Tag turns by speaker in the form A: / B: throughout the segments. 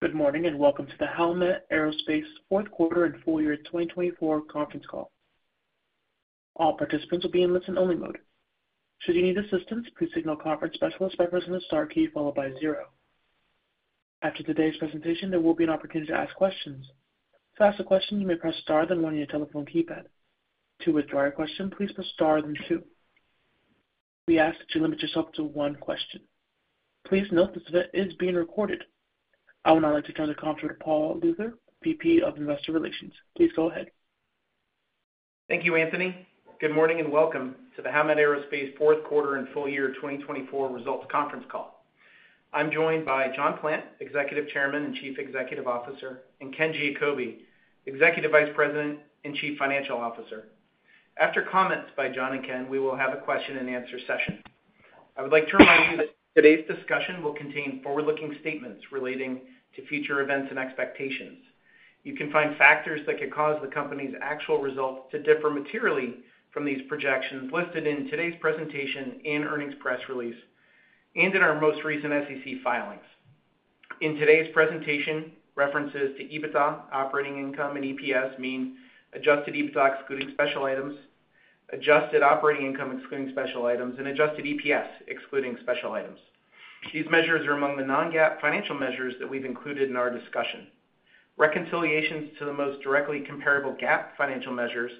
A: Good morning and welcome to the Howmet Aerospace fourth quarter and full year 2024 conference call. All participants will be in listen-only mode. Should you need assistance, please signal conference specialist by pressing the star key followed by zero. After today's presentation, there will be an opportunity to ask questions. To ask a question, you may press star then one on your telephone keypad. To withdraw your question, please press star then two. We ask that you limit yourself to one question. Please note this event is being recorded. I would now like to turn the conference over to Paul Luther, VP of Investor Relations. Please go ahead.
B: Thank you, Anthony. Good morning and welcome to the Howmet Aerospace fourth quarter and full year 2024 results conference call. I'm joined by John Plant, Executive Chairman and Chief Executive Officer, and Ken Giacobbe, Executive Vice President and Chief Financial Officer. After comments by John and Ken, we will have a question-and-answer session. I would like to remind you that today's discussion will contain forward-looking statements relating to future events and expectations. You can find factors that could cause the company's actual results to differ materially from these projections listed in today's presentation and earnings press release and in our most recent SEC filings. In today's presentation, references to EBITDA, operating income, and EPS mean Adjusted EBITDA excluding special items, adjusted operating income excluding special items, and adjusted EPS excluding special items. These measures are among the non-GAAP financial measures that we've included in our discussion. Reconciliations to the most directly comparable GAAP financial measures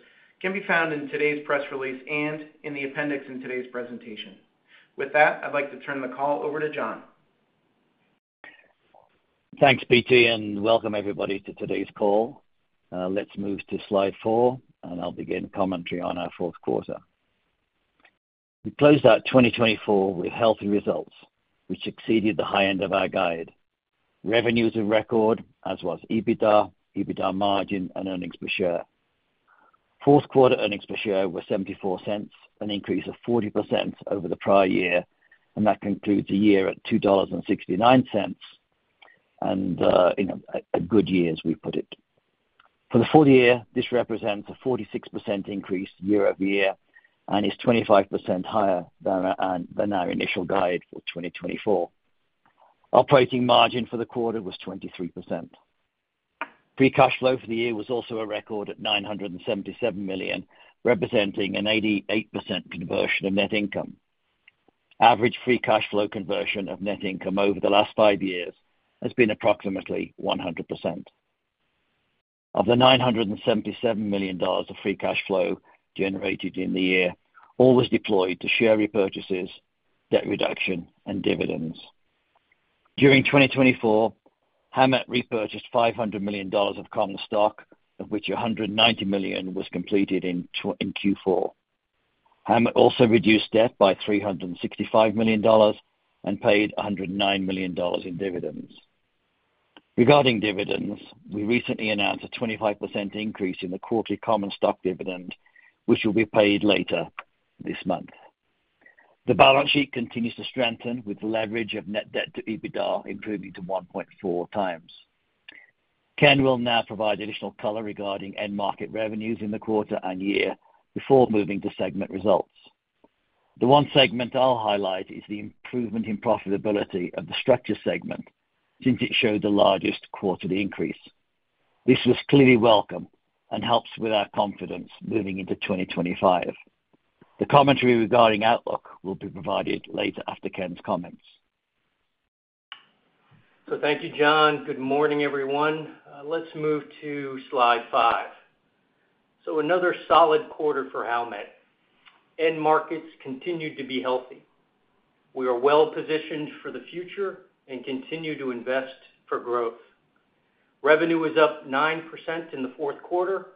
B: can be found in today's press release and in the appendix in today's presentation. With that, I'd like to turn the call over to John.
C: Thanks, PT, and welcome everybody to today's call. Let's move to slide four, and I'll begin commentary on our fourth quarter. We closed out 2024 with healthy results, which exceeded the high end of our guide. Revenues were record, as was EBITDA, EBITDA margin, and earnings per share. Fourth quarter earnings per share were $0.74, an increase of 40% over the prior year, and that concludes a year at $2.69, and, you know, a good year, as we put it. For the full year, this represents a 46% increase year over year and is 25% higher than our initial guide for 2024. Operating margin for the quarter was 23%. Free cash flow for the year was also a record at $977 million, representing an 88% conversion of net income. Average free cash flow conversion of net income over the last five years has been approximately 100%. Of the $977 million of free cash flow generated in the year, all was deployed to share repurchases, debt reduction, and dividends. During 2024, Howmet repurchased $500 million of common stock, of which $190 million was completed in Q4. Howmet also reduced debt by $365 million and paid $109 million in dividends. Regarding dividends, we recently announced a 25% increase in the quarterly common stock dividend, which will be paid later this month. The balance sheet continues to strengthen, with leverage of net debt to EBITDA improving to 1.4x. Ken will now provide additional color regarding end market revenues in the quarter and year before moving to segment results. The one segment I'll highlight is the improvement in profitability of the structure segment since it showed the largest quarterly increase. This was clearly welcome and helps with our confidence moving into 2025. The commentary regarding outlook will be provided later after Ken's comments.
D: So thank you, John. Good morning, everyone. Let's move to slide five. So another solid quarter for Howmet. End markets continued to be healthy. We are well positioned for the future and continue to invest for growth. Revenue was up 9% in the fourth quarter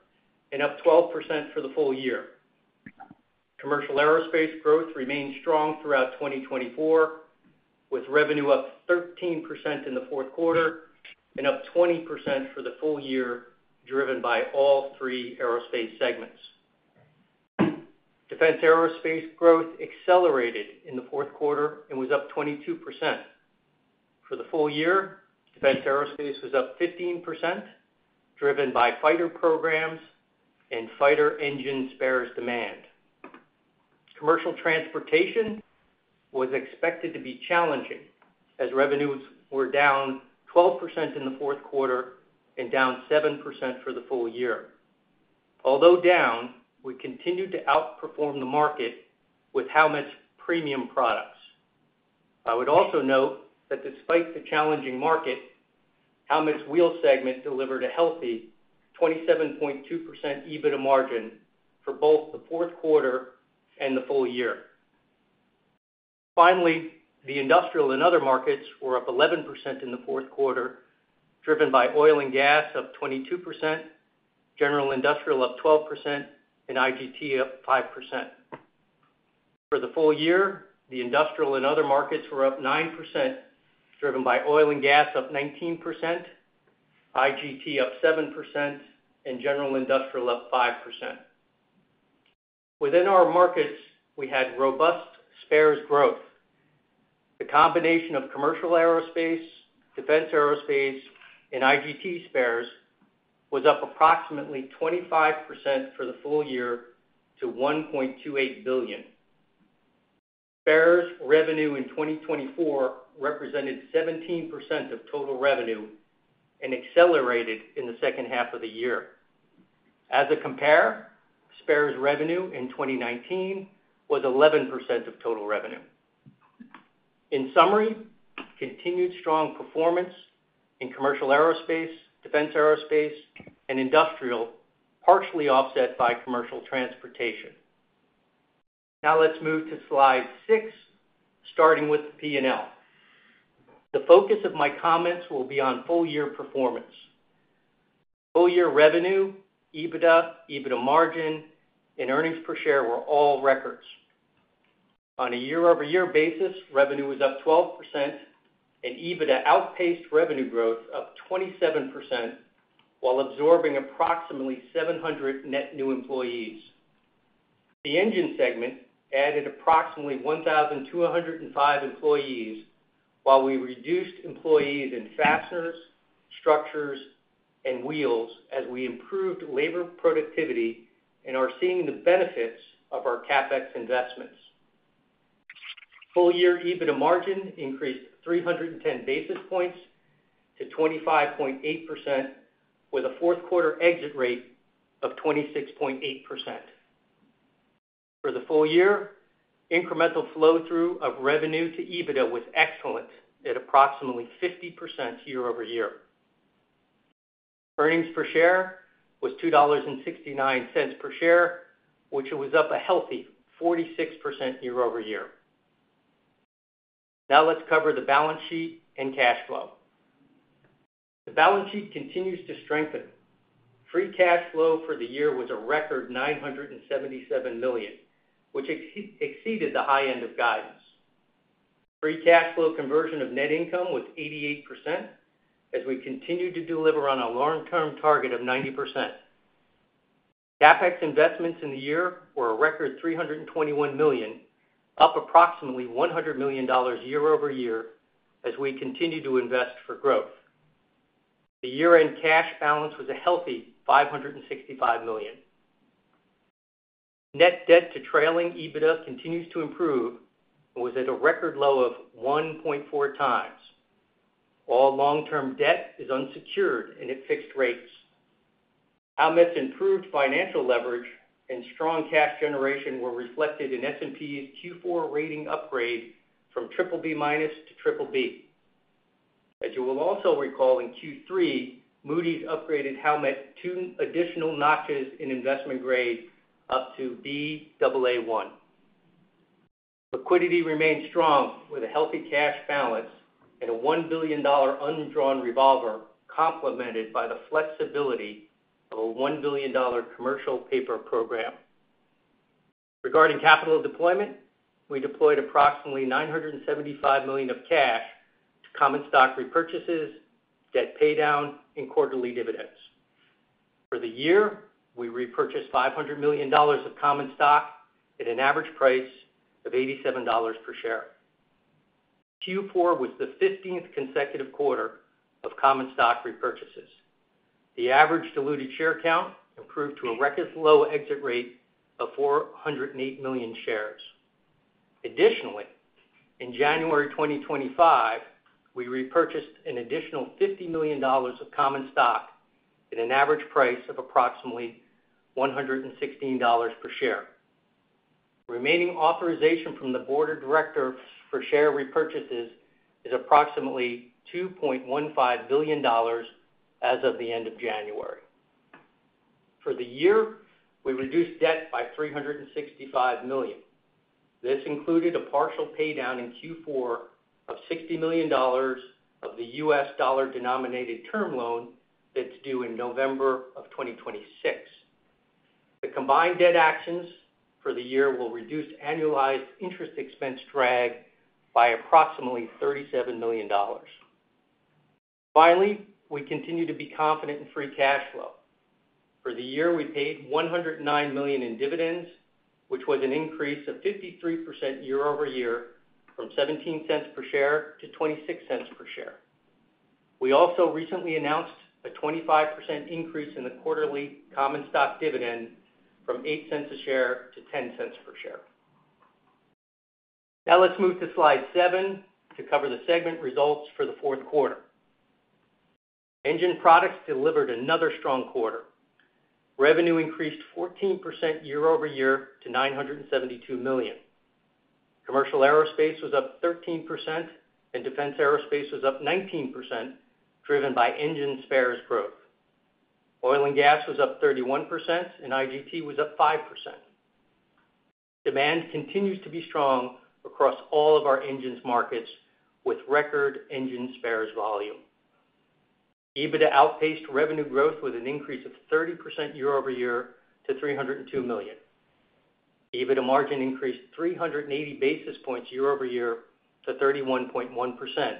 D: and up 12% for the full year. Commercial aerospace growth remained strong throughout 2024, with revenue up 13% in the fourth quarter and up 20% for the full year, driven by all three aerospace segments. Defense aerospace growth accelerated in the fourth quarter and was up 22%. For the full year, defense aerospace was up 15%, driven by fighter programs and fighter engine spares demand. Commercial transportation was expected to be challenging as revenues were down 12% in the fourth quarter and down 7% for the full year. Although down, we continued to outperform the market with Howmet's premium products. I would also note that despite the challenging market, Howmet's wheel segment delivered a healthy 27.2% EBITDA margin for both the fourth quarter and the full year. Finally, the industrial and other markets were up 11% in the fourth quarter, driven by oil and gas up 22%, general industrial up 12%, and IGT up 5%. For the full year, the industrial and other markets were up 9%, driven by oil and gas up 19%, IGT up 7%, and general industrial up 5%. Within our markets, we had robust spares growth. The combination of commercial aerospace, defense aerospace, and IGT spares was up approximately 25% for the full year to $1.28 billion. Spares revenue in 2024 represented 17% of total revenue and accelerated in the second half of the year. As a comparison, spares revenue in 2019 was 11% of total revenue. In summary, continued strong performance in commercial aerospace, defense aerospace, and industrial, partially offset by commercial transportation. Now let's move to slide six, starting with the P&L. The focus of my comments will be on full year performance. Full year revenue, EBITDA, EBITDA margin, and earnings per share were all records. On a year-over-year basis, revenue was up 12%, and EBITDA outpaced revenue growth up 27% while absorbing approximately 700 net new employees. The engine segment added approximately 1,205 employees while we reduced employees in fasteners, structures, and wheels as we improved labor productivity and are seeing the benefits of our CapEx investments. Full year EBITDA margin increased 310 basis points to 25.8% with a fourth quarter exit rate of 26.8%. For the full year, incremental flow-through of revenue to EBITDA was excellent at approximately 50% year-over-year. Earnings per share was $2.69 per share, which was up a healthy 46% year-over-year. Now let's cover the balance sheet and cash flow. The balance sheet continues to strengthen. Free cash flow for the year was a record $977 million, which exceeded the high end of guidance. Free cash flow conversion of net income was 88% as we continued to deliver on a long-term target of 90%. CapEx investments in the year were a record $321 million, up approximately $100 million year-over-year as we continue to invest for growth. The year-end cash balance was a healthy $565 million. Net debt to trailing EBITDA continues to improve and was at a record low of 1.4x. All long-term debt is unsecured and at fixed rates. Howmet's improved financial leverage and strong cash generation were reflected in S&P's Q4 rating upgrade from BBB- to BBB. As you will also recall in Q3, Moody's upgraded Howmet two additional notches in investment grade up to Baa1. Liquidity remained strong with a healthy cash balance and a $1 billion undrawn revolver complemented by the flexibility of a $1 billion commercial paper program. Regarding capital deployment, we deployed approximately $975 million of cash to common stock repurchases, debt paydown, and quarterly dividends. For the year, we repurchased $500 million of common stock at an average price of $87 per share. Q4 was the 15th consecutive quarter of common stock repurchases. The average diluted share count improved to a record low exit rate of 408 million shares. Additionally, in January 2025, we repurchased an additional $50 million of common stock at an average price of approximately $116 per share. Remaining authorization from the Board of Directors for share repurchases is approximately $2.15 billion as of the end of January. For the year, we reduced debt by $365 million. This included a partial paydown in Q4 of $60 million of the U.S. dollar-denominated term loan that's due in November of 2026. The combined debt actions for the year will reduce annualized interest expense drag by approximately $37 million. Finally, we continue to be confident in free cash flow. For the year, we paid $109 million in dividends, which was an increase of 53% year-over-year from $0.17 per share to $0.26 per share. We also recently announced a 25% increase in the quarterly common stock dividend from $0.08 a share to $0.10 per share. Now let's move to slide seven to cover the segment results for the fourth quarter. Engine products delivered another strong quarter. Revenue increased 14% year-over-year to $972 million. Commercial aerospace was up 13%, and defense aerospace was up 19%, driven by engine spares growth. Oil and gas was up 31%, and IGT was up 5%. Demand continues to be strong across all of our engines markets with record engine spares volume. EBITDA outpaced revenue growth with an increase of 30% year-over-year to $302 million. EBITDA margin increased 380 basis points year-over-year to 31.1%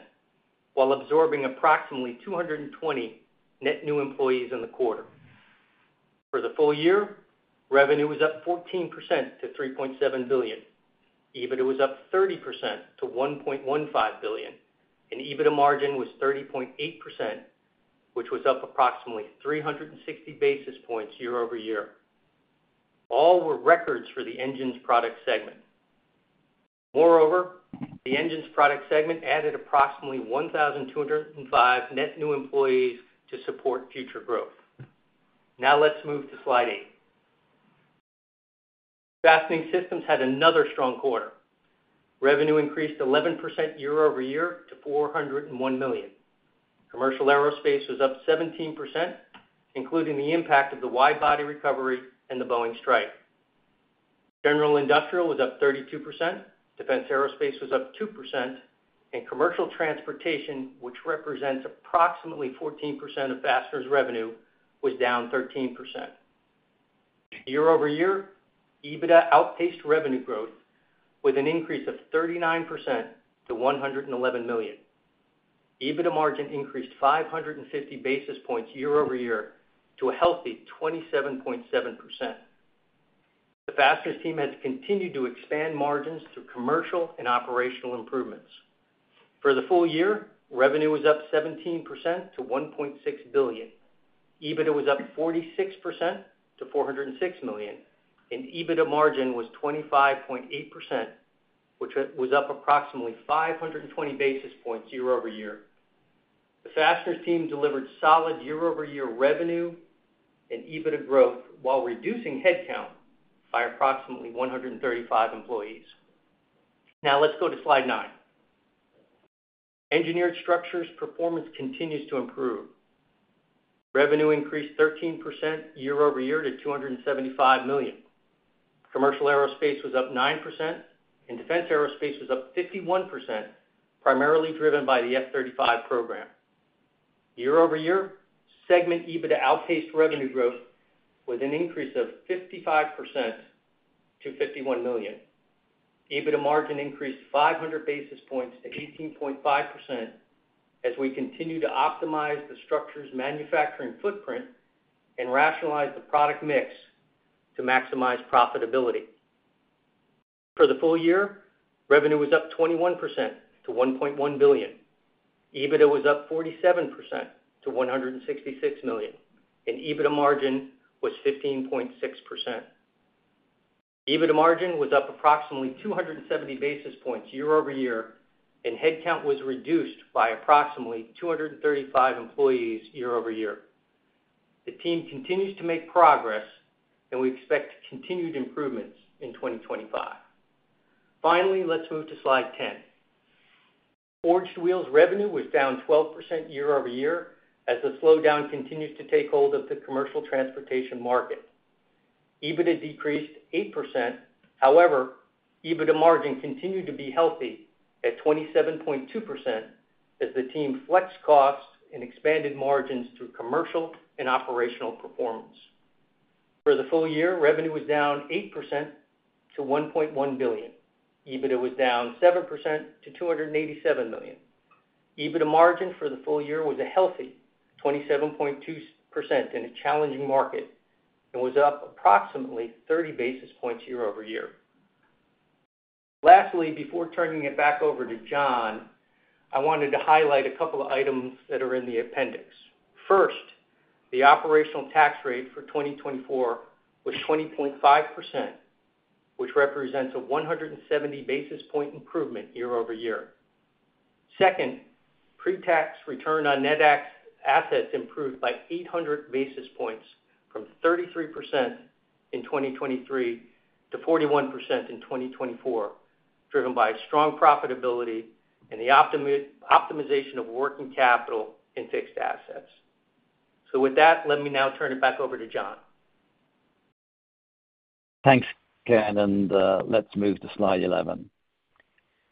D: while absorbing approximately 220 net new employees in the quarter. For the full year, revenue was up 14% to $3.7 billion. EBITDA was up 30% to $1.15 billion, and EBITDA margin was 30.8%, which was up approximately 360 basis points year-over-year. All were records for the engines product segment. Moreover, the engines product segment added approximately 1,205 net new employees to support future growth. Now let's move to slide eight. Fastening systems had another strong quarter. Revenue increased 11% year-over-year to $401 million. Commercial aerospace was up 17%, including the impact of the wide-body recovery and the Boeing strike. General industrial was up 32%, defense aerospace was up 2%, and commercial transportation, which represents approximately 14% of fasteners' revenue, was down 13%. Year-over-year, EBITDA outpaced revenue growth with an increase of 39% to $111 million. EBITDA margin increased 550 basis points year-over-year to a healthy 27.7%. The fasteners team has continued to expand margins through commercial and operational improvements. For the full year, revenue was up 17% to $1.6 billion. EBITDA was up 46% to $406 million, and EBITDA margin was 25.8%, which was up approximately 520 basis points year-over-year. The fasteners team delivered solid year-over-year revenue and EBITDA growth while reducing headcount by approximately 135 employees. Now let's go to slide nine. Engineered structures performance continues to improve. Revenue increased 13% year-over-year to $275 million. Commercial aerospace was up 9%, and defense aerospace was up 51%, primarily driven by the F-35 program. Year-over-year, segment EBITDA outpaced revenue growth with an increase of 55% to $51 million. EBITDA margin increased 500 basis points to 18.5% as we continue to optimize the Structures' manufacturing footprint and rationalize the product mix to maximize profitability. For the full year, revenue was up 21% to $1.1 billion. EBITDA was up 47% to $166 million, and EBITDA margin was 15.6%. EBITDA margin was up approximately 270 basis points year-over-year, and headcount was reduced by approximately 235 employees year-over-year. The team continues to make progress, and we expect continued improvements in 2025. Finally, let's move to slide ten. Forged wheels revenue was down 12% year-over-year as the slowdown continues to take hold of the commercial transportation market. EBITDA decreased 8%. However, EBITDA margin continued to be healthy at 27.2% as the team flexed costs and expanded margins through commercial and operational performance. For the full year, revenue was down 8% to $1.1 billion. EBITDA was down 7% to $287 million. EBITDA margin for the full year was a healthy 27.2% in a challenging market and was up approximately 30 basis points year-over-year. Lastly, before turning it back over to John, I wanted to highlight a couple of items that are in the appendix. First, the operational tax rate for 2024 was 20.5%, which represents a 170 basis point improvement year-over-year. Second, pre-tax return on net assets improved by 800 basis points from 33% in 2023 to 41% in 2024, driven by strong profitability and the optimization of working capital and fixed assets. So with that, let me now turn it back over to John.
C: Thanks, Ken, and let's move to slide 11.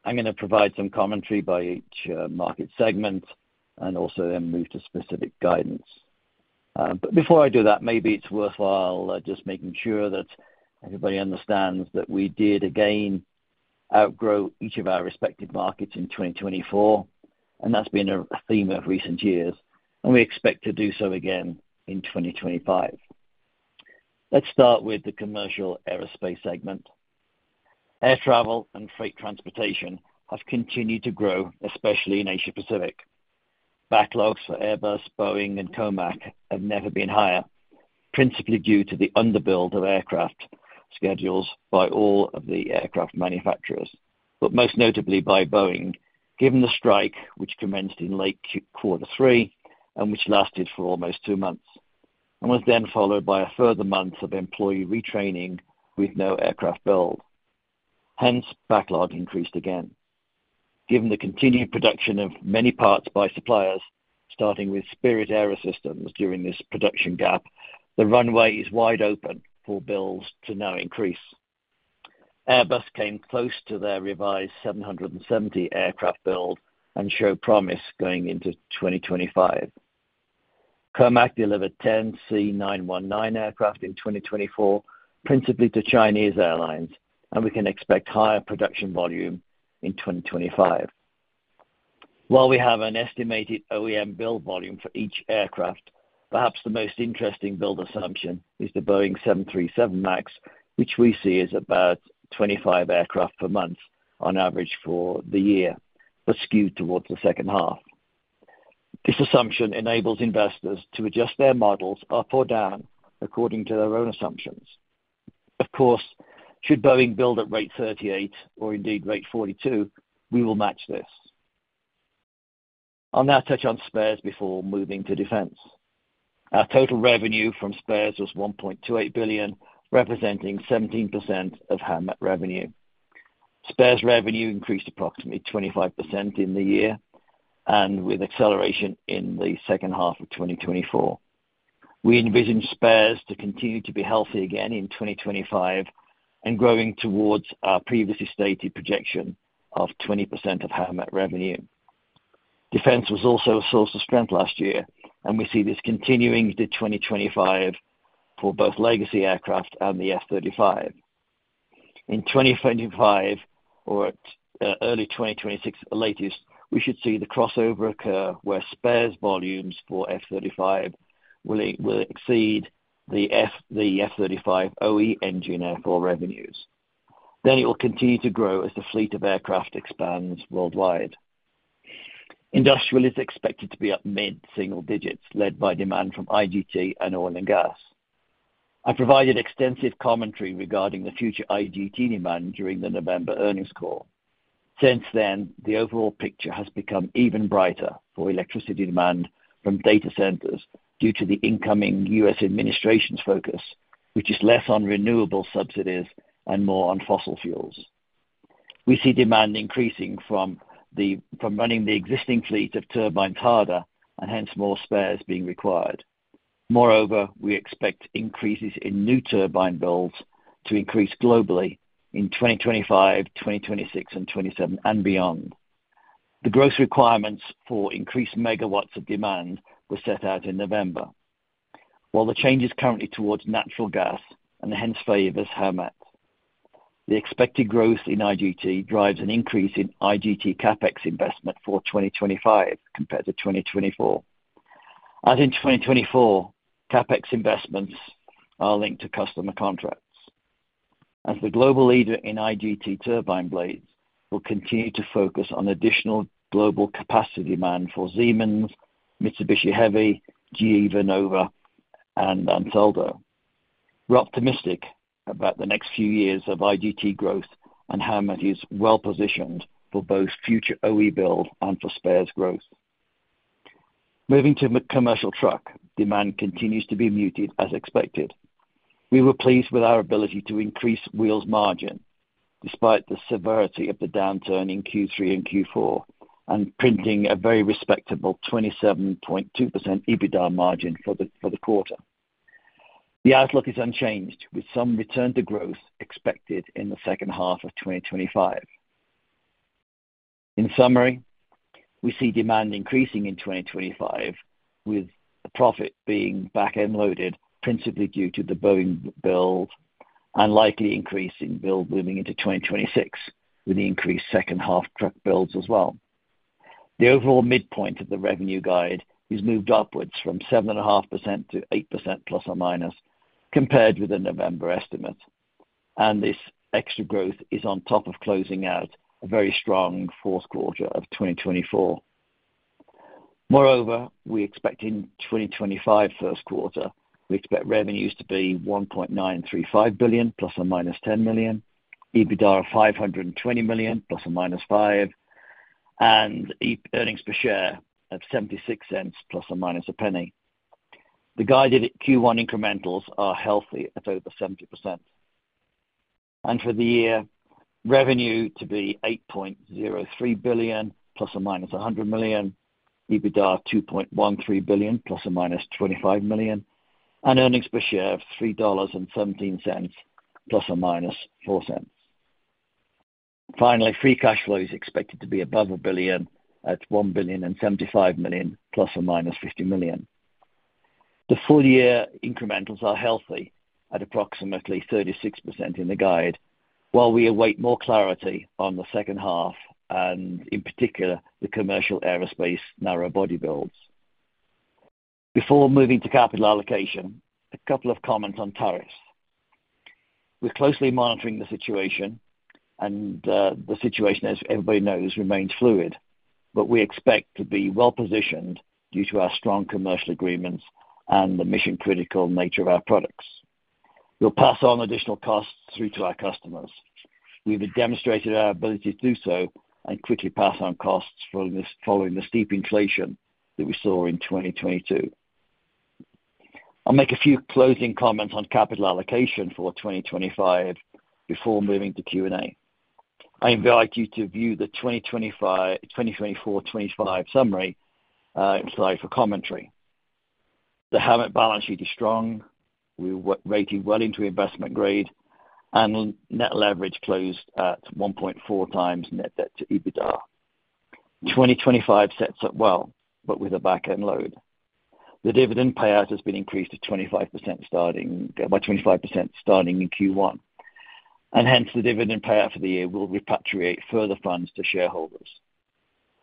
C: I'm going to provide some commentary by each market segment and also then move to specific guidance. But before I do that, maybe it's worthwhile just making sure that everybody understands that we did, again, outgrow each of our respective markets in 2024, and that's been a theme of recent years, and we expect to do so again in 2025. Let's start with the commercial aerospace segment. Air travel and freight transportation have continued to grow, especially in Asia-Pacific. Backlogs for Airbus, Boeing, and COMAC have never been higher, principally due to the underbuild of aircraft schedules by all of the aircraft manufacturers, but most notably by Boeing, given the strike which commenced in late Q3 and which lasted for almost two months, and was then followed by a further month of employee retraining with no aircraft build. Hence, backlog increased again. Given the continued production of many parts by suppliers, starting with Spirit AeroSystems during this production gap, the runway is wide open for builds to now increase. Airbus came close to their revised 770 aircraft build and showed promise going into 2025. COMAC delivered 10 C919 aircraft in 2024, principally to Chinese airlines, and we can expect higher production volume in 2025. While we have an estimated OEM build volume for each aircraft, perhaps the most interesting build assumption is the Boeing 737 MAX, which we see as about 25 aircraft per month on average for the year, but skewed towards the second half. This assumption enables investors to adjust their models up or down according to their own assumptions. Of course, should Boeing build at rate 38 or indeed rate 42, we will match this. I'll now touch on spares before moving to defense. Our total revenue from spares was $1.28 billion, representing 17% of Howmet revenue. Spares revenue increased approximately 25% in the year and with acceleration in the second half of 2024. We envision spares to continue to be healthy again in 2025 and growing towards our previously stated projection of 20% of Howmet revenue. Defense was also a source of strength last year, and we see this continuing to 2025 for both legacy aircraft and the F-35. In 2025 or early 2026, at the latest, we should see the crossover occur where spares volumes for F-35 will exceed the F-35 OE engine airframe revenues. Then it will continue to grow as the fleet of aircraft expands worldwide. Industrial is expected to be up mid-single digits, led by demand from IGT and oil and gas. I provided extensive commentary regarding the future IGT demand during the November earnings call. Since then, the overall picture has become even brighter for electricity demand from data centers due to the incoming U.S. administration's focus, which is less on renewable subsidies and more on fossil fuels. We see demand increasing from running the existing fleet of turbines harder and hence more spares being required. Moreover, we expect increases in new turbine builds to increase globally in 2025, 2026, and 2027 and beyond. The gross requirements for increased megawatts of demand were set out in November, while the change is currently towards natural gas and hence favors Howmet. The expected growth in IGT drives an increase in IGT CapEx investment for 2025 compared to 2024. As in 2024, CapEx investments are linked to customer contracts. As the global leader in IGT turbine blades, we'll continue to focus on additional global capacity demand for Siemens, Mitsubishi Heavy, GE Vernova, and Ansaldo. We're optimistic about the next few years of IGT growth and Howmet is well positioned for both future OE build and for spares growth. Moving to commercial truck, demand continues to be muted as expected. We were pleased with our ability to increase wheels margin despite the severity of the downturn in Q3 and Q4 and printing a very respectable 27.2% EBITDA margin for the quarter. The outlook is unchanged, with some return to growth expected in the second half of 2025. In summary, we see demand increasing in 2025, with profit being back and loaded principally due to the Boeing build and likely increasing build moving into 2026 with the increased second half truck builds as well. The overall midpoint of the revenue guide is moved upwards from 7.5%-8%± compared with the November estimate, and this extra growth is on top of closing out a very strong fourth quarter of 2024. Moreover, we expect in 2025 first quarter revenues to be $1.935 billion plus or minus $10 million, EBITDA of $520± million $5 million, and earnings per share of $0.76± $0.01. The guided Q1 incrementals are healthy at over 70%, and for the year, revenue to be $8.03± billion $100 million, EBITDA of $2.13± billion $25 million, and earnings per share of $3.17± $0.04. Finally, free cash flow is expected to be above a billion at $1.75± billion $50 million. The full year incrementals are healthy at approximately 36% in the guide, while we await more clarity on the second half and in particular the commercial aerospace narrow-body builds. Before moving to capital allocation, a couple of comments on tariffs. We're closely monitoring the situation, and the situation, as everybody knows, remains fluid, but we expect to be well positioned due to our strong commercial agreements and the mission-critical nature of our products. We'll pass on additional costs through to our customers. We've demonstrated our ability to do so and quickly pass on costs following the steep inflation that we saw in 2022. I'll make a few closing comments on capital allocation for 2025 before moving to Q&A. I invite you to view the 2024-25 summary slide for commentary. The Howmet balance sheet is strong. We rated well into investment grade, and net leverage closed at 1.4x net debt to EBITDA. 2025 sets up well, but with a back end load. The dividend payout has been increased to 25% by 25% starting in Q1, and hence the dividend payout for the year will repatriate further funds to shareholders.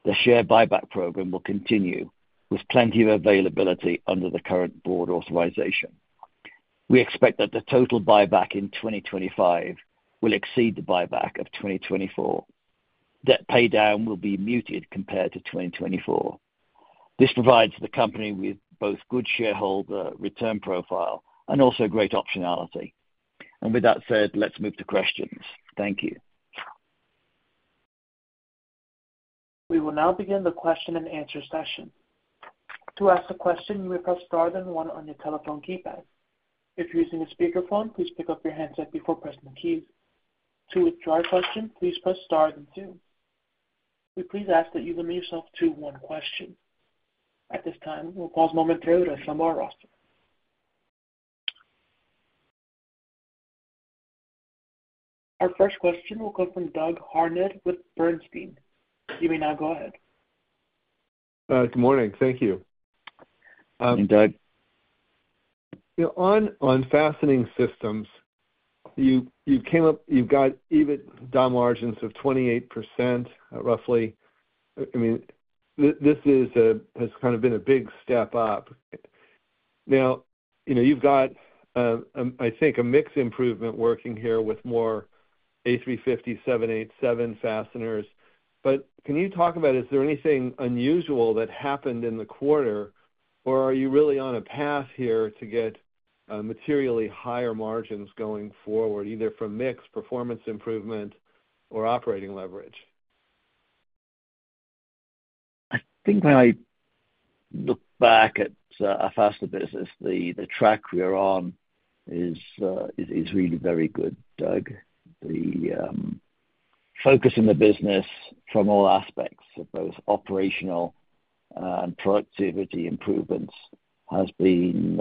C: The share buyback program will continue with plenty of availability under the current board authorization. We expect that the total buyback in 2025 will exceed the buyback of 2024. Debt paydown will be muted compared to 2024. This provides the company with both good shareholder return profile and also great optionality. And with that said, let's move to questions. Thank you.
A: We will now begin the question and answer session. To ask a question, you may press star then one on your telephone keypad. If you're using a speakerphone, please pick up your handset before pressing the keys. To withdraw a question, please press star then two. We please ask that you limit yourself to one question. At this time, we'll pause a moment here to assemble our roster. Our first question will come from Doug Harned with Bernstein. You may now go ahead.
E: Good morning. Thank you.
C: Good morning, Doug.
E: On fastening systems, you've got EBITDA margins of 28% roughly. I mean, this has kind of been a big step up. Now, you've got, I think, a mixed improvement working here with more A350, 787 fasteners. But can you talk about, is there anything unusual that happened in the quarter, or are you really on a path here to get materially higher margins going forward, either from mixed performance improvement or operating leverage?
C: I think when I look back at our fastener business, the track we are on is really very good, Doug. The focus in the business from all aspects of both operational and productivity improvements has been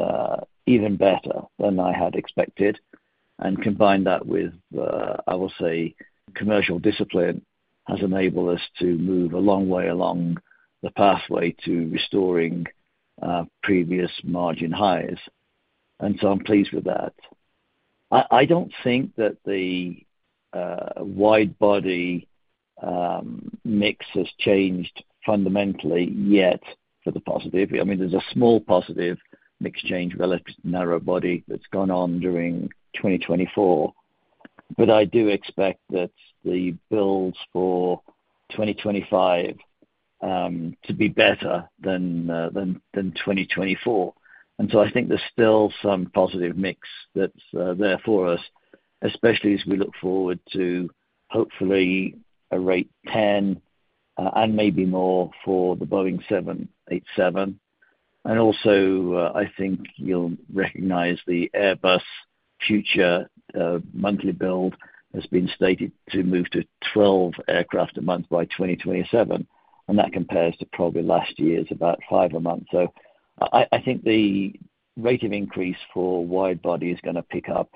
C: even better than I had expected. Combined with that, I will say, commercial discipline has enabled us to move a long way along the pathway to restoring previous margin highs. So I'm pleased with that. I don't think that the wide-body mix has changed fundamentally yet for the positive. I mean, there's a small positive mix change relative to narrow-body that's gone on during 2024, but I do expect that the builds for 2025 to be better than 2024. So I think there's still some positive mix that's there for us, especially as we look forward to hopefully a rate 10 and maybe more for the Boeing 787. And also, I think you'll recognize the Airbus future monthly build has been stated to move to 12 aircraft a month by 2027, and that compares to probably last year's about five a month. So I think the rate of increase for wide-body is going to pick up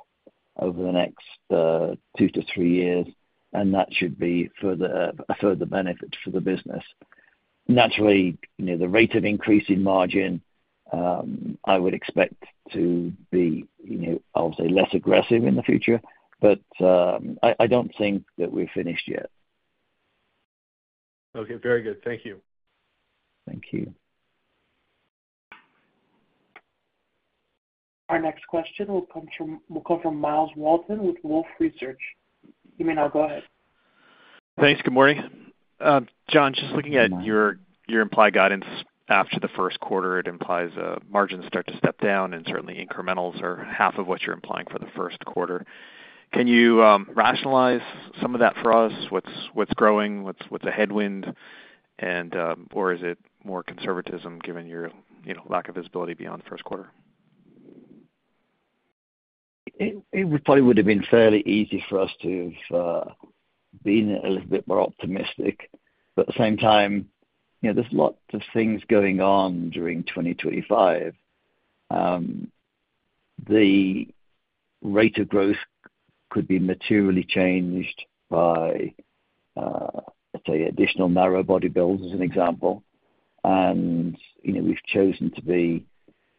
C: over the next two to three years, and that should be a further benefit for the business. Naturally, the rate of increase in margin, I would expect to be, I'll say, less aggressive in the future, but I don't think that we're finished yet.
E: Okay. Very good. Thank you.
C: Thank you.
A: Our next question will come from Myles Walton with Wolfe Research. You may now go ahead.
F: Thanks. Good morning. John, just looking at your implied guidance after the first quarter, it implies margins start to step down, and certainly incrementals are half of what you're implying for the first quarter. Can you rationalize some of that for us? What's growing? What's a headwind? Or is it more conservatism given your lack of visibility beyond first quarter?
C: It probably would have been fairly easy for us to have been a little bit more optimistic, but at the same time, there's lots of things going on during 2025. The rate of growth could be materially changed by, let's say, additional narrow body builds as an example. And we've chosen to be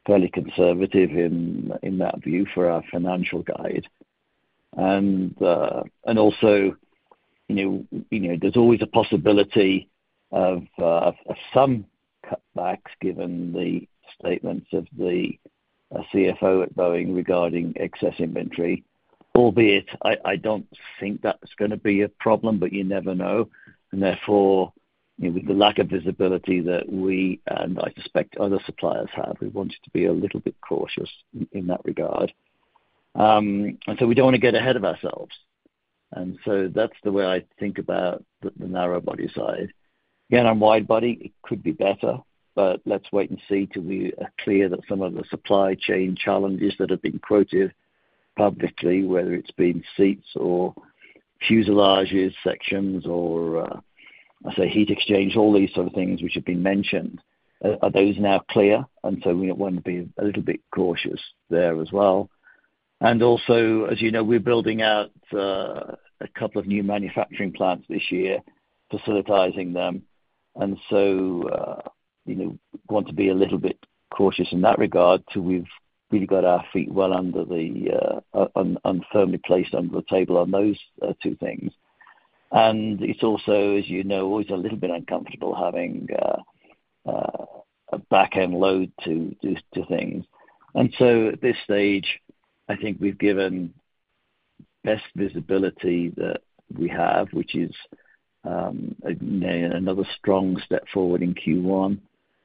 C: fairly conservative in that view for our financial guide. And also, there's always a possibility of some cutbacks given the statements of the CFO at Boeing regarding excess inventory, albeit I don't think that's going to be a problem, but you never know. And therefore, with the lack of visibility that we and I suspect other suppliers have, we wanted to be a little bit cautious in that regard. And so we don't want to get ahead of ourselves. And so that's the way I think about the narrow body side. Again, on wide body, it could be better, but let's wait and see till we are clear that some of the supply chain challenges that have been quoted publicly, whether it's been seats or fuselage sections or, I'll say, heat exchange, all these sort of things which have been mentioned, are those now clear? And so we want to be a little bit cautious there as well. And also, as you know, we're building out a couple of new manufacturing plants this year, facilitating them. And so we want to be a little bit cautious in that regard till we've really got our feet well and firmly placed under the table on those two things. It's also, as you know, always a little bit uncomfortable having a back end load to do things. So at this stage, I think we've given best visibility that we have, which is another strong step forward in Q1,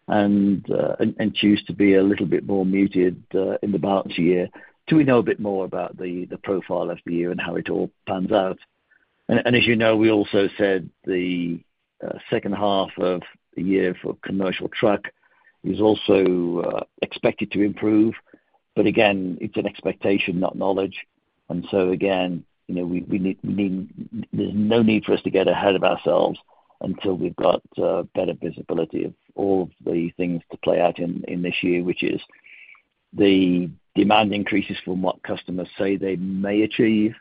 C: and choose to be a little bit more muted in the balance of the year till we know a bit more about the profile of the year and how it all pans out. As you know, we also said the second half of the year for commercial truck is also expected to improve, but again, it's an expectation, not knowledge. So again, there's no need for us to get ahead of ourselves until we've got better visibility of all of the things to play out in this year, which is the demand increases from what customers say they may achieve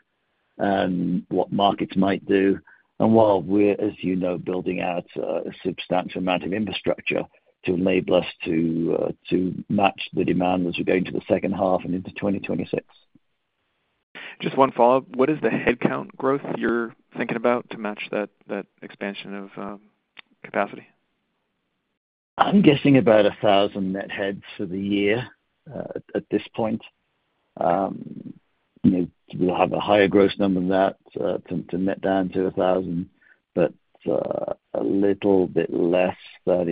C: and what markets might do. And while we're, as you know, building out a substantial amount of infrastructure to enable us to match the demand as we go into the second half and into 2026. Just one follow-up. What is the headcount growth you're thinking about to match that expansion of capacity? I'm guessing about 1,000 net heads for the year at this point. We'll have a higher gross number than that to net down to 1,000, but a little bit less than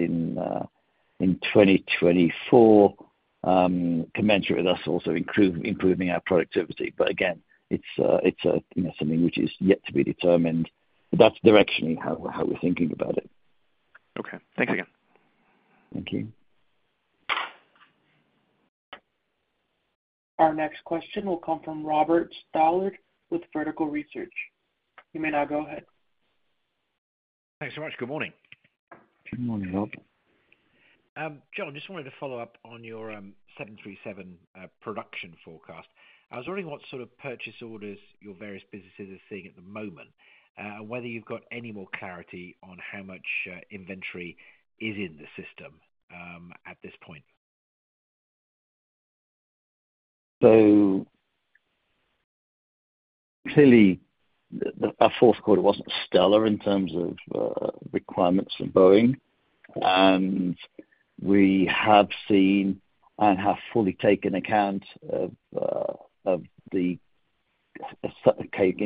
C: in 2024, commensurate with us also improving our productivity. But again, it's something which is yet to be determined. That's directionally how we're thinking about it.
F: Okay. Thanks again.
C: Thank you.
A: Our next question will come from Robert Stallard with Vertical Research. You may now go ahead.
G: Thanks so much. Good morning.
C: Good morning, Rob.
G: John, just wanted to follow up on your 737 production forecast. I was wondering what sort of purchase orders your various businesses are seeing at the moment and whether you've got any more clarity on how much inventory is in the system at this point.
C: So clearly, our fourth quarter wasn't stellar in terms of requirements for Boeing. And we have seen and have fully taken account of, in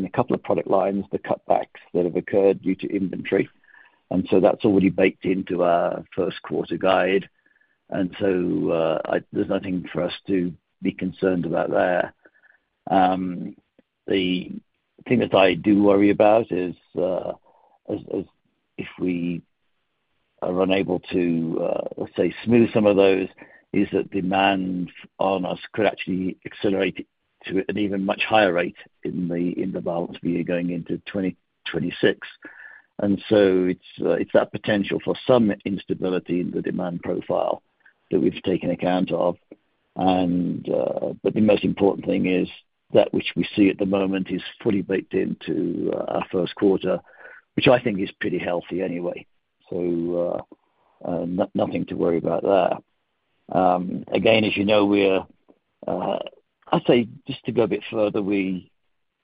C: a couple of product lines, the cutbacks that have occurred due to inventory. And so that's already baked into our first quarter guide. And so there's nothing for us to be concerned about there. The thing that I do worry about is if we are unable to, let's say, smooth some of those, is that demand on us could actually accelerate to an even much higher rate in the balance of the year going into 2026. And so it's that potential for some instability in the demand profile that we've taken account of. But the most important thing is that which we see at the moment is fully baked into our first quarter, which I think is pretty healthy anyway. So nothing to worry about there. Again, as you know, we're, I'd say, just to go a bit further, we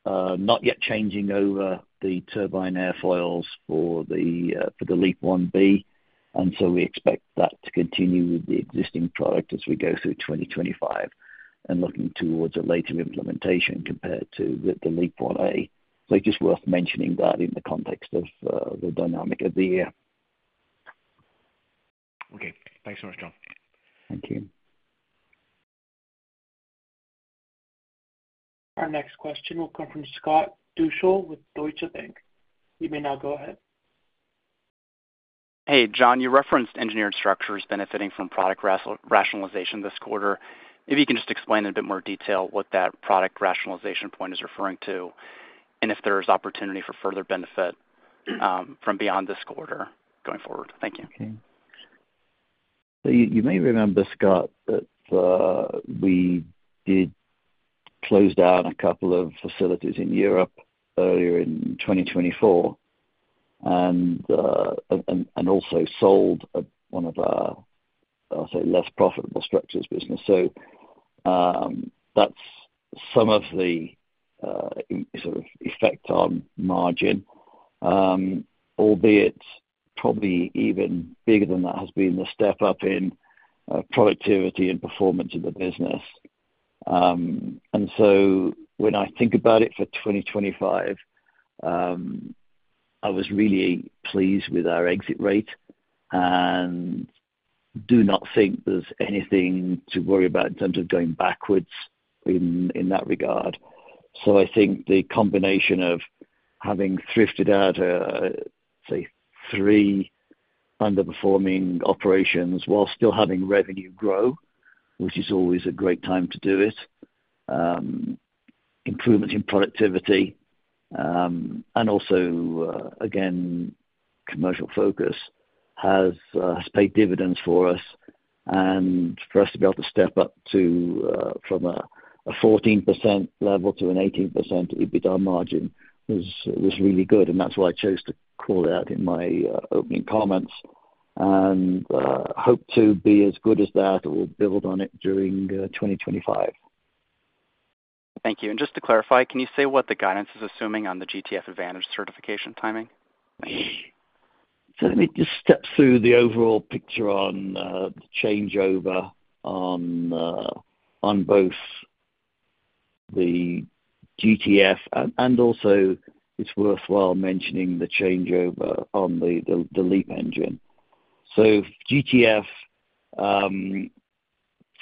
C: are not yet changing over the turbine airfoils for the LEAP-1B. And so we expect that to continue with the existing product as we go through 2025 and looking towards a later implementation compared to the LEAP-1A. So it's just worth mentioning that in the context of the dynamic of the year.
G: Okay. Thanks so much, John.
C: Thank you.
A: Our next question will come from Scott Deuschle with Deutsche Bank. You may now go ahead.
H: Hey, John, you referenced engineered structures benefiting from product rationalization this quarter. Maybe you can just explain in a bit more detail what that product rationalization point is referring to and if there's opportunity for further benefit from beyond this quarter going forward. Thank you.
C: Okay. So you may remember, Scott, that we did close down a couple of facilities in Europe earlier in 2024 and also sold one of our, I'll say, less profitable structures business. So that's some of the sort of effect on margin, albeit probably even bigger than that has been the step up in productivity and performance of the business. And so when I think about it for 2025, I was really pleased with our exit rate and do not think there's anything to worry about in terms of going backwards in that regard. I think the combination of having divested, say, three underperforming operations while still having revenue grow, which is always a great time to do it, improvements in productivity, and also, again, commercial focus has paid dividends for us. For us to be able to step up from a 14% level to an 18% EBITDA margin was really good. That's why I chose to call it out in my opening comments and hope to be as good as that or build on it during 2025.
H: Thank you. Just to clarify, can you say what the guidance is assuming on the GTF Advantage certification timing?
C: Let me just step through the overall picture on the changeover on both the GTF and also it's worthwhile mentioning the changeover on the LEAP engine. GTF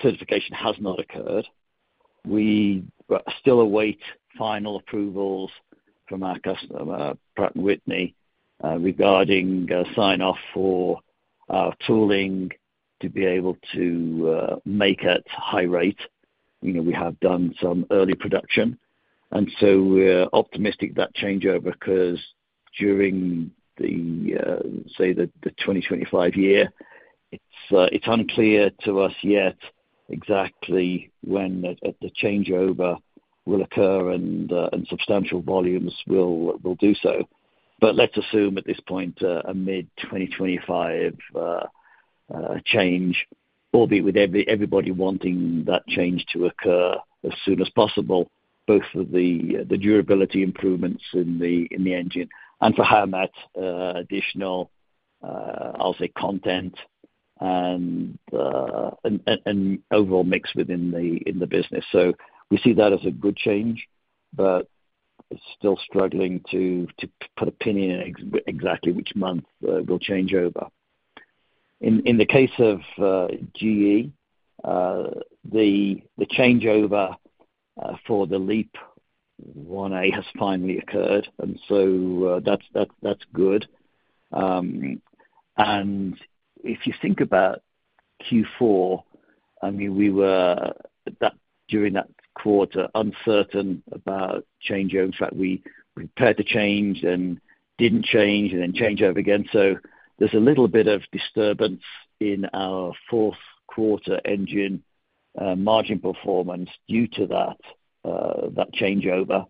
C: certification has not occurred. We still await final approvals from our customer, Pratt & Whitney, regarding sign-off for our tooling to be able to make at high rate. We have done some early production. And so we're optimistic that changeover occurs during, say, the 2025 year. It's unclear to us yet exactly when the changeover will occur and substantial volumes will do so. But let's assume at this point a mid-2025 change, albeit with everybody wanting that change to occur as soon as possible, both for the durability improvements in the engine and for how much additional, I'll say, content and overall mix within the business. So we see that as a good change, but still struggling to put a pin in exactly which month we'll change over. In the case of GE, the changeover for the LEAP-1A has finally occurred. And so that's good. And if you think about Q4, I mean, we were during that quarter uncertain about changeover. In fact, we prepared to change and didn't change and then change over again. So there's a little bit of disturbance in our fourth quarter engine margin performance due to that changeover,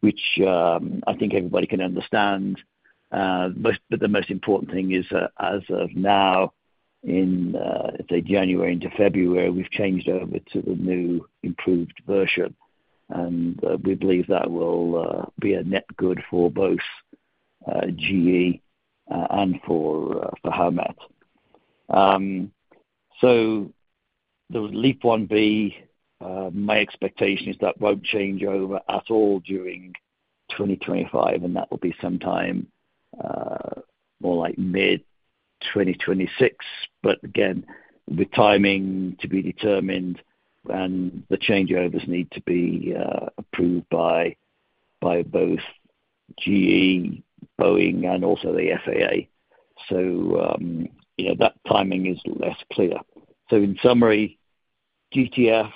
C: which I think everybody can understand. But the most important thing is, as of now, in, say, January into February, we've changed over to the new improved version. And we believe that will be a net good for both GE and for Howmet. So the LEAP-1B, my expectation is that won't change over at all during 2025, and that will be sometime more like mid-2026. But again, the timing to be determined and the changeovers need to be approved by both GE, Boeing, and also the FAA. So that timing is less clear. So in summary, GTF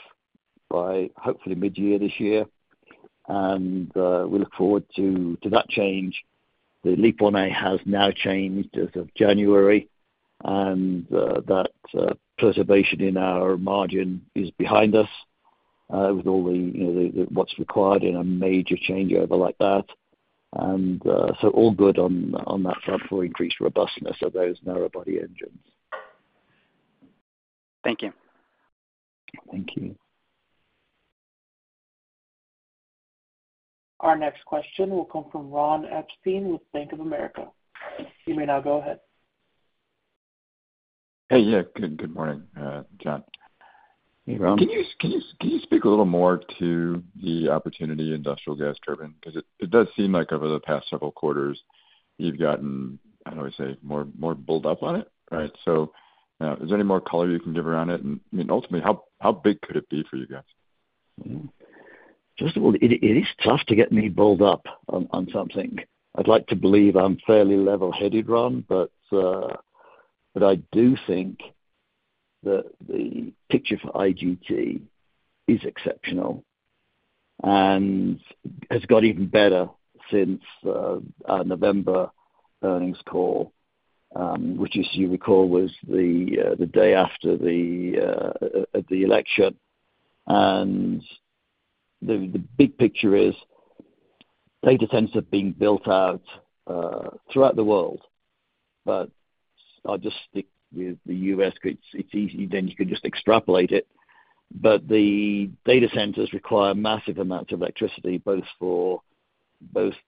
C: by hopefully mid-year this year, and we look forward to that change. The LEAP-1A has now changed as of January, and that preservation in our margin is behind us with all the what's required in a major changeover like that. And so all good on that front for increased robustness of those narrow-body engines.
H: Thank you.
C: Thank you.
A: Our next question will come from Ron Epstein with Bank of America. You may now go ahead.
I: Hey, yeah. Good morning, John.
C: Hey, Ron.
I: Can you speak a little more to the opportunity industrial gas turbine? Because it does seem like over the past several quarters, you've gotten, how do I say, more build-up on it, right? So is there any more color you can give around it? And ultimately, how big could it be for you guys?
C: First of all, it is tough to get me riled up on something. I'd like to believe I'm fairly levelheaded, Ron, but I do think that the picture for IGT is exceptional and has got even better since our November earnings call, which, as you recall, was the day after the election. And the big picture is data centers have been built out throughout the world. But I'll just stick with the U.S. because it's easy. Then you can just extrapolate it. But the data centers require massive amounts of electricity, both for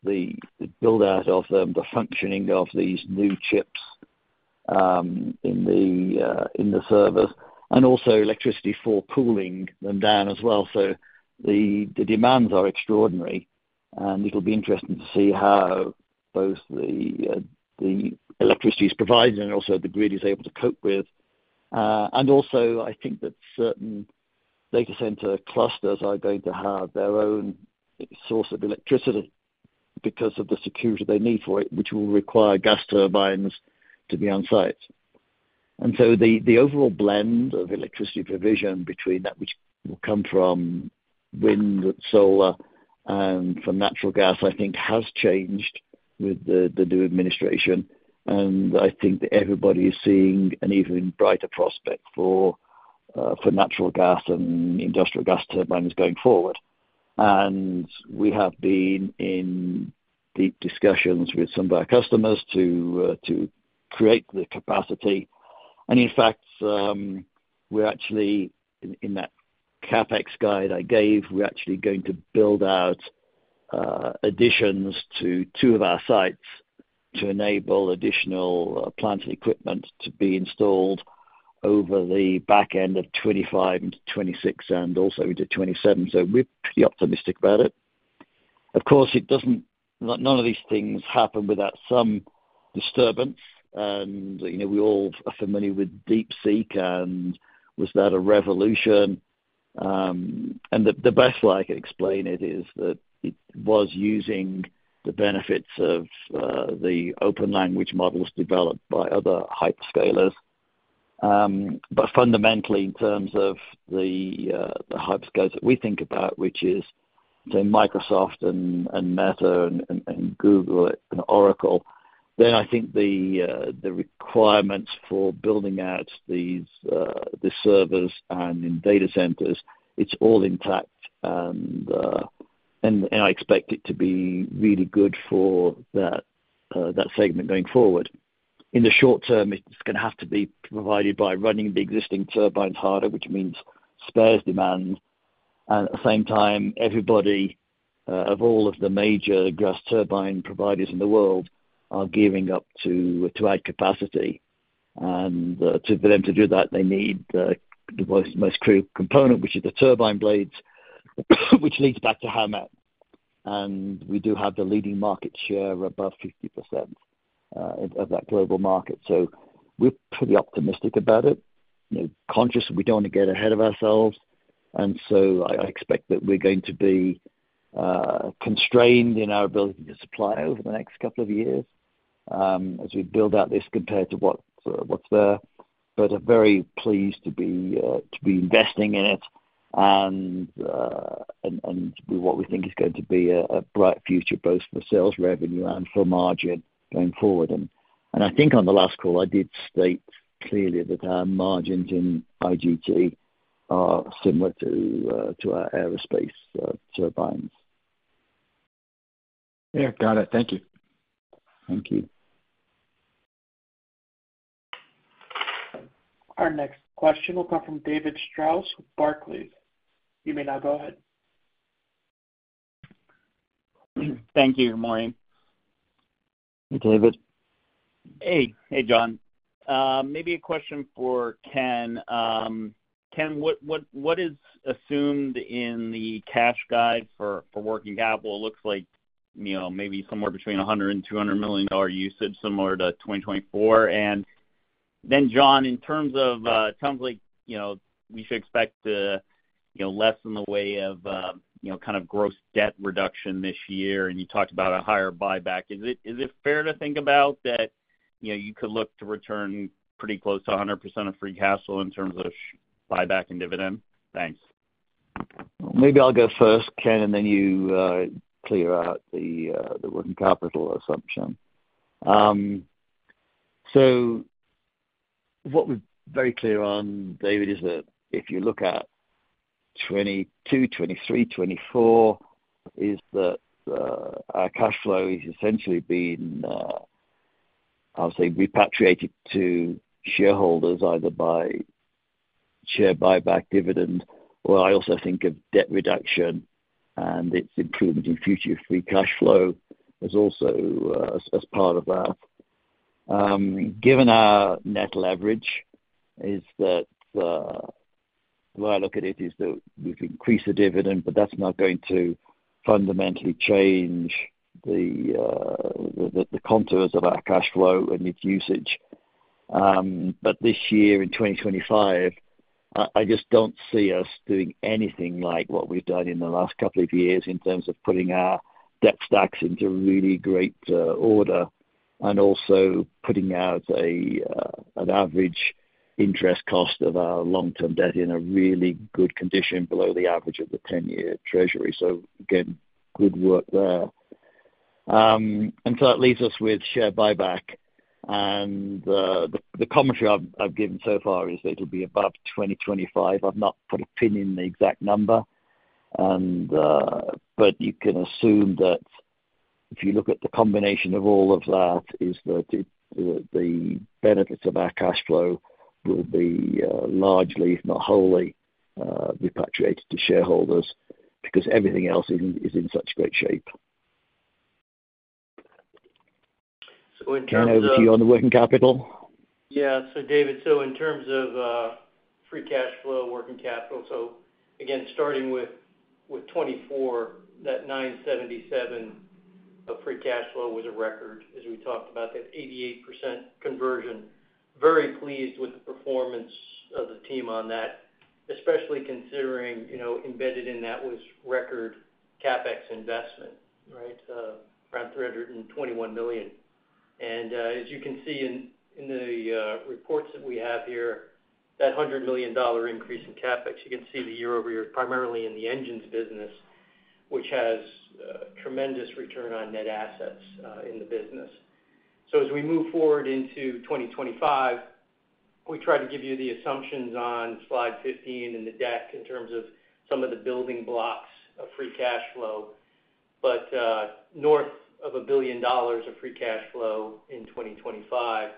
C: the build-out of them, the functioning of these new chips in the servers, and also electricity for cooling them down as well. So the demands are extraordinary. And it'll be interesting to see how both the electricity is provided and also the grid is able to cope with. And also, I think that certain data center clusters are going to have their own source of electricity because of the security they need for it, which will require gas turbines to be on site. And so the overall blend of electricity provision between that, which will come from wind and solar and from natural gas, I think, has changed with the new administration. And I think that everybody is seeing an even brighter prospect for natural gas and industrial gas turbines going forward. And we have been in deep discussions with some of our customers to create the capacity. And in fact, we're actually in that CapEx guide I gave, we're actually going to build out additions to two of our sites to enable additional plant equipment to be installed over the back end of 2025 into 2026 and also into 2027. So we're pretty optimistic about it. Of course, none of these things happen without some disturbance, and we all are familiar with DeepSeek. And was that a revolution? And the best way I can explain it is that it was using the benefits of the open language models developed by other hyperscalers. But fundamentally, in terms of the hyperscalers that we think about, which is, say, Microsoft and Meta and Google and Oracle, then I think the requirements for building out these servers and in data centers, it's all intact. And I expect it to be really good for that segment going forward. In the short term, it's going to have to be provided by running the existing turbines harder, which means spares demand, and at the same time, everybody of all of the major gas turbine providers in the world are gearing up to add capacity. For them to do that, they need the most critical component, which is the turbine blades, which leads back to Howmet. We do have the leading market share of about 50% of that global market. We're pretty optimistic about it, conscious that we don't want to get ahead of ourselves. I expect that we're going to be constrained in our ability to supply over the next couple of years as we build out this compared to what's there. I'm very pleased to be investing in it and what we think is going to be a bright future, both for sales revenue and for margin going forward. I think on the last call, I did state clearly that our margins in IGT are similar to our aerospace turbines.
I: Yeah. Got it. Thank you.
C: Thank you.
A: Our next question will come from David Strauss with Barclays. You may now go ahead.
J: Thank you, morning.
C: Hey, David.
J: Hey. Hey, John. Maybe a question for Ken. Ken, what is assumed in the cash guide for working capital? It looks like maybe somewhere between $100-$200 million usage, similar to 2024. And then, John, in terms of it sounds like we should expect less in the way of kind of gross debt reduction this year. And you talked about a higher buyback. Is it fair to think about that you could look to return pretty close to 100% of free cash flow in terms of buyback and dividend? Thanks.
C: Maybe I'll go first, Ken, and then you clear out the working capital assumption. So what we're very clear on, David, is that if you look at 2022, 2023, 2024, is that our cash flow has essentially been, I'll say, repatriated to shareholders either by share buyback, dividend, or I also think of debt reduction and its improvement in future free cash flow as part of that. Given our net leverage, is that the way I look at it is that we've increased the dividend, but that's not going to fundamentally change the contours of our cash flow and its usage. But this year in 2025, I just don't see us doing anything like what we've done in the last couple of years in terms of putting our debt stacks into really great order and also putting out an average interest cost of our long-term debt in a really good condition below the average of the 10-year treasury. So again, good work there. That leaves us with share buyback. The commentary I've given so far is that it'll be above 2025. I've not put a pin in the exact number. But you can assume that if you look at the combination of all of that, is that the benefits of our cash flow will be largely, if not wholly, repatriated to shareholders because everything else is in such great shape. Over to you on the working capital.
D: Yeah. So David, in terms of free cash flow, working capital, again starting with 2024, that $977 million of free cash flow was a record, as we talked about, that 88% conversion. Very pleased with the performance of the team on that, especially considering embedded in that was record CapEx investment, right, around $321 million. As you can see in the reports that we have here, that $100 million increase in CapEx, you can see the year over year primarily in the engines business, which has tremendous return on net assets in the business, so as we move forward into 2025, we tried to give you the assumptions on slide 15 in the deck in terms of some of the building blocks of free cash flow, but north of a billion dollars of free cash flow in 2025.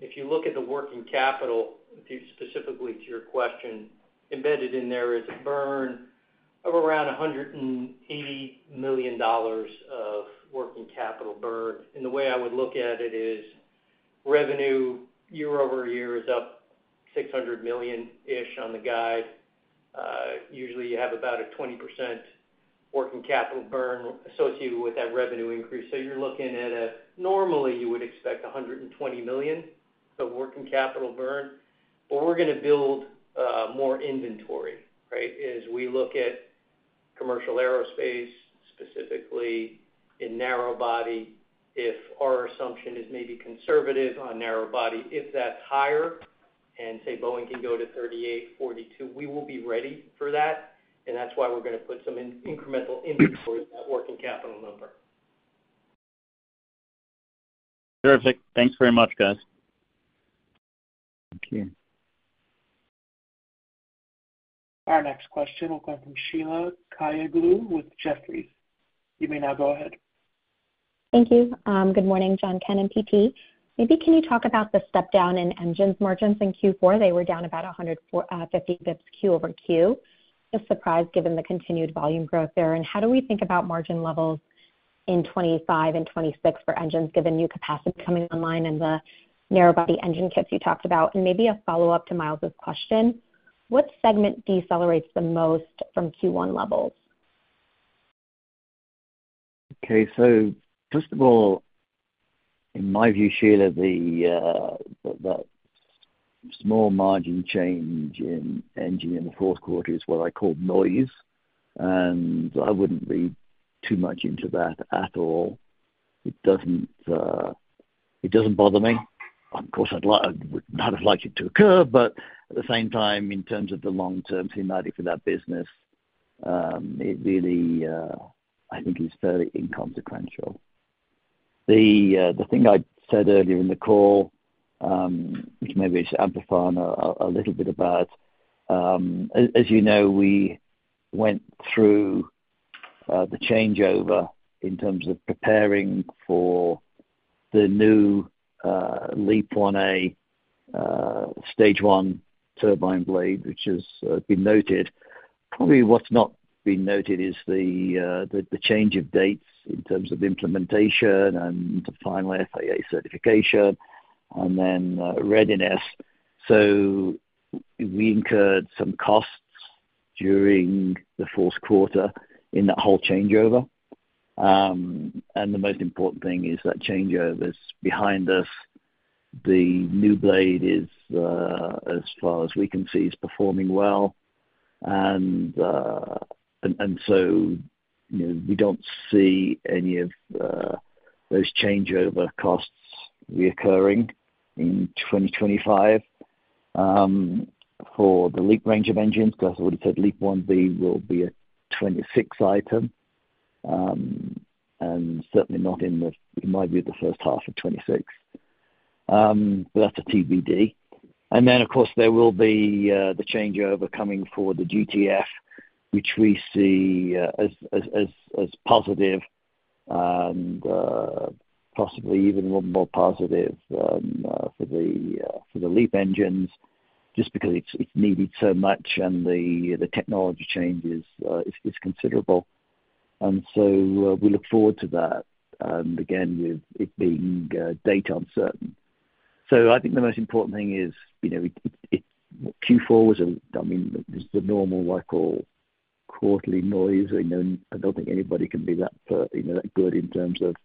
D: If you look at the working capital, specifically to your question, embedded in there is a burn of around $180 million of working capital burn. The way I would look at it is revenue year over year is up $600 million-ish on the guide. Usually, you have about a 20% working capital burn associated with that revenue increase. So you're looking at a normally you would expect $120 million of working capital burn. But we're going to build more inventory, right, as we look at commercial aerospace, specifically in narrow body. If our assumption is maybe conservative on narrow body, if that's higher and say Boeing can go to 38, 42, we will be ready for that. And that's why we're going to put some incremental inventory in that working capital number.
J: Terrific. Thanks very much, guys.
C: Thank you.
A: Our next question will come from Sheila Kahyaoglu with Jefferies. You may now go ahead.
K: Thank you. Good morning, John, Ken, and PT. Maybe can you talk about the step down in engines margins in Q4? They were down about 150 basis points Q over Q. No surprise given the continued volume growth there. And how do we think about margin levels in 2025 and 2026 for engines given new capacity coming online and the narrow body engine kits you talked about? And maybe a follow-up to Miles' question, what segment decelerates the most from Q1 levels?
C: Okay. So first of all, in my view, Sheila, that small margin change in engine in the fourth quarter is what I call noise. And I wouldn't read too much into that at all. It doesn't bother me. Of course, I would not have liked it to occur. But at the same time, in terms of the long-term thematic for that business, it really, I think, is fairly inconsequential. The thing I said earlier in the call, which maybe I should amplify a little bit about, as you know, we went through the changeover in terms of preparing for the new LEAP-1A stage one turbine blade, which has been noted. Probably what's not been noted is the change of dates in terms of implementation and the final FAA certification and then readiness. So we incurred some costs during the fourth quarter in that whole changeover. And the most important thing is that changeover is behind us. The new blade, as far as we can see, is performing well. And so we don't see any of those changeover costs recurring in 2025 for the LEAP range of engines. As I would have said, LEAP-1B will be a 2026 item and certainly not in my view the first half of 2026. But that's a TBD. And then, of course, there will be the changeover coming for the GTF, which we see as positive and possibly even more positive for the LEAP engines just because it's needed so much and the technology change is considerable. And so we look forward to that. And again, with it being date uncertain. So I think the most important thing is Q4 was a, I mean, this is a normal quarterly noise. I don't think anybody can be that good in terms of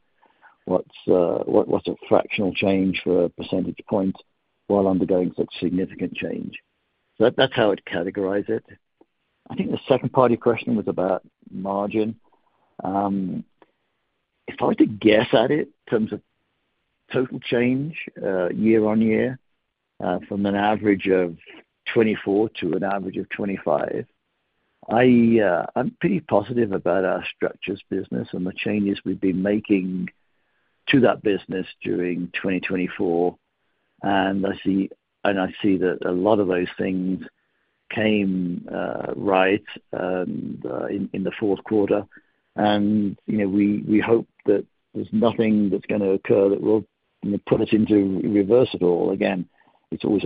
C: what's a fractional change for a percentage point while undergoing such significant change. So that's how I'd categorize it. I think the second part of your question was about margin. If I were to guess at it in terms of total change year on year from an average of 2024 to an average of 2025, I'm pretty positive about our structures business and the changes we've been making to that business during 2024, and I see that a lot of those things came right in the fourth quarter, and we hope that there's nothing that's going to occur that will put us into reverse at all. Again, it's always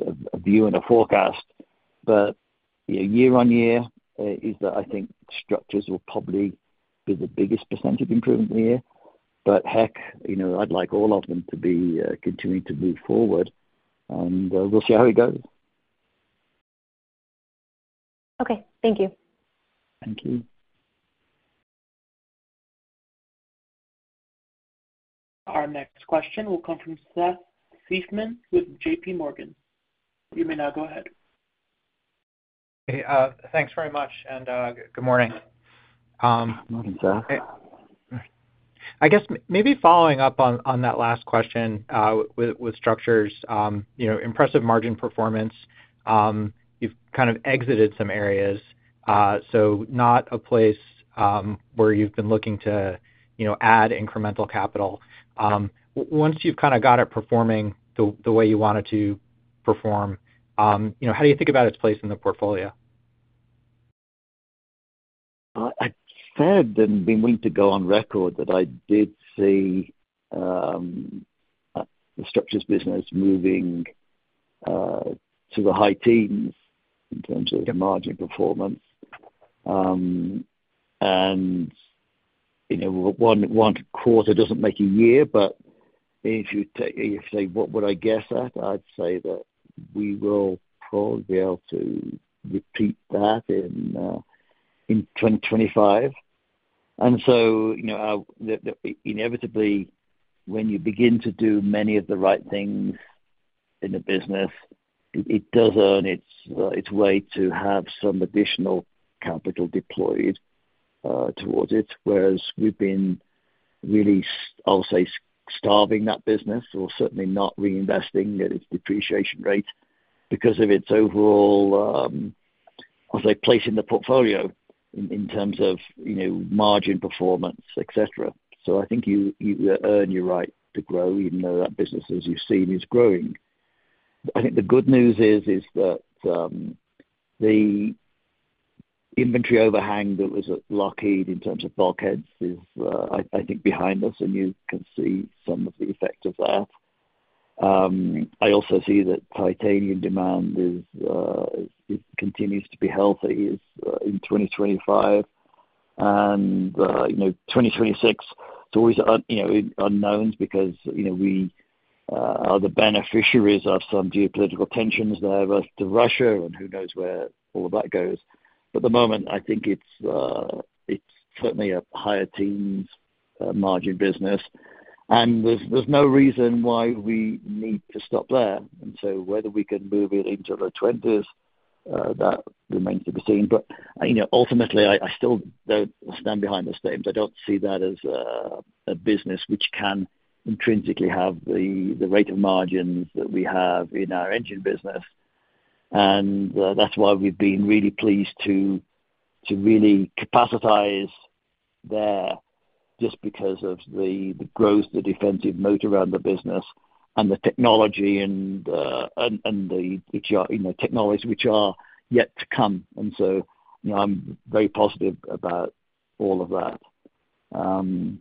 C: a view and a forecast, but year on year is that I think structures will probably be the biggest percentage improvement in the year, but heck, I'd like all of them to be continuing to move forward, and we'll see how it goes.
K: Okay. Thank you.
C: Thank you.
A: Our next question will come from Seth Seifman with J.P. Morgan. You may now go ahead.
L: Thanks very much. And good morning.
C: Good morning, Seth.
L: I guess maybe following up on that last question with structures, impressive margin performance. You've kind of exited some areas. So not a place where you've been looking to add incremental capital. Once you've kind of got it performing the way you want it to perform, how do you think about its place in the portfolio?
C: I said I've been willing to go on record that I did see the structures business moving to the high teens in terms of margin performance. And one quarter doesn't make a year, but if you say, "What would I guess at?" I'd say that we will probably be able to repeat that in 2025. And so inevitably, when you begin to do many of the right things in the business, it does earn its way to have some additional capital deployed towards it. Whereas we've been really, I'll say, starving that business or certainly not reinvesting at its depreciation rate because of its overall, I'll say, place in the portfolio in terms of margin performance, etc. So I think you earn your right to grow even though that business, as you've seen, is growing. I think the good news is that the inventory overhang that was locked in terms of bulkheads is, I think, behind us, and you can see some of the effect of that. I also see that titanium demand continues to be healthy in 2025 and 2026, it's always unknown because we are the beneficiaries of some geopolitical tensions there to Russia and who knows where all of that goes. But at the moment, I think it's certainly a high-teens margin business, and there's no reason why we need to stop there. And so whether we can move it into the '20s, that remains to be seen. But ultimately, I still don't stand behind the statement. I don't see that as a business which can intrinsically have the rate of margins that we have in our engine business. And that's why we've been really pleased to really capitalize there just because of the growth, the defensive moat around the business, and the technology and the technologies which are yet to come. And so I'm very positive about all of that.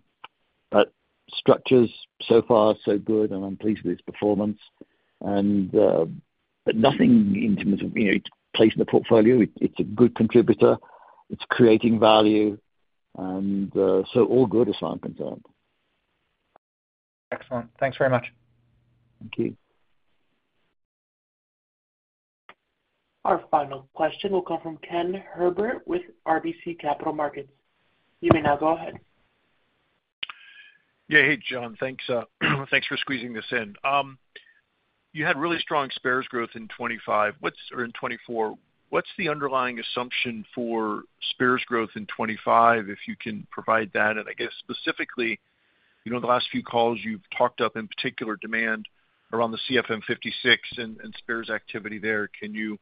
C: But structures so far so good, and I'm pleased with its performance. But nothing in terms of place in the portfolio. It's a good contributor. It's creating value. And so all good as far as I'm concerned.
L: Excellent. Thanks very much.
C: Thank you.
A: Our final question will come from Ken Herbert with RBC Capital Markets. You may now go ahead.
M: Yeah. Hey, John. Thanks for squeezing this in. You had really strong spares growth in 2025 or in 2024. What's the underlying assumption for spares growth in 2025, if you can provide that? And I guess specifically, in the last few calls, you've talked up in particular demand around the CFM56 and spares activity there. Can you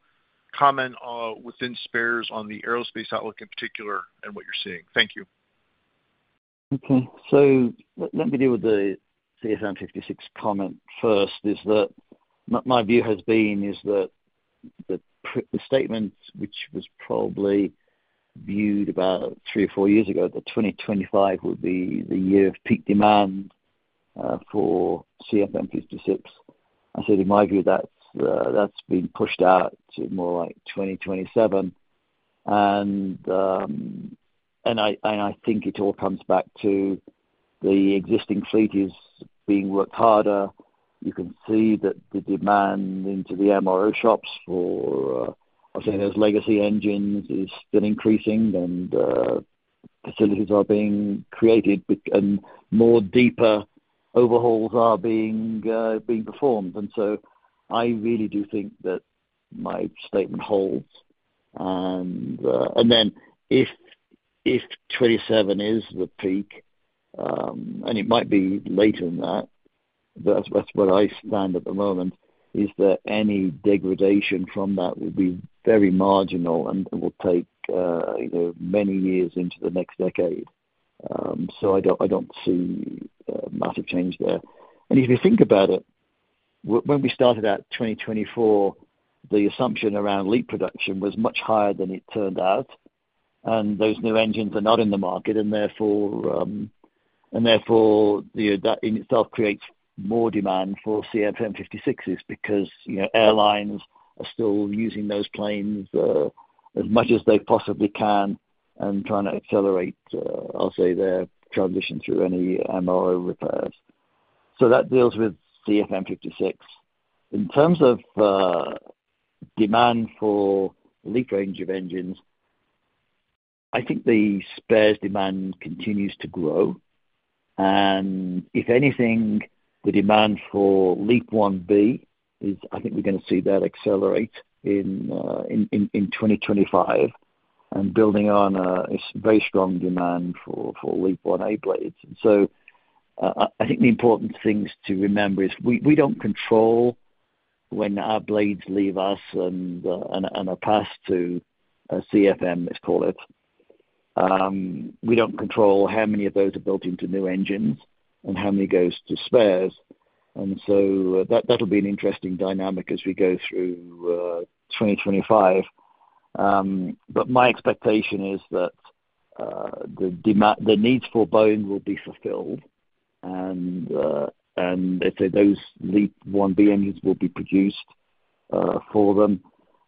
M: comment within spares on the aerospace outlook in particular and what you're seeing? Thank you.
C: Okay. So let me deal with the CFM56 comment first. My view has been is that the statement, which was probably viewed about three or four years ago, that 2025 would be the year of peak demand for CFM56. I said, in my view, that's been pushed out to more like 2027. And I think it all comes back to the existing fleet is being worked harder. You can see that the demand into the MRO shops for, I'll say, those legacy engines has been increasing, and facilities are being created, and more deeper overhauls are being performed, and so I really do think that my statement holds, and then if 2027 is the peak, and it might be later than that, that's where I stand at the moment, is that any degradation from that will be very marginal and will take many years into the next decade, so I don't see a massive change there, and if you think about it, when we started out 2024, the assumption around LEAP production was much higher than it turned out, and those new engines are not in the market. And therefore, that in itself creates more demand for CFM56s because airlines are still using those planes as much as they possibly can and trying to accelerate, I'll say, their transition through any MRO repairs. So that deals with CFM56. In terms of demand for LEAP range of engines, I think the spares demand continues to grow. And if anything, the demand for LEAP-1B is, I think we're going to see that accelerate in 2025 and building on a very strong demand for LEAP-1A blades. And so I think the important things to remember is we don't control when our blades leave us and are passed to CFM, let's call it. We don't control how many of those are built into new engines and how many goes to spares. And so that'll be an interesting dynamic as we go through 2025. But my expectation is that the needs for Boeing will be fulfilled. And they say those LEAP-1B engines will be produced for them.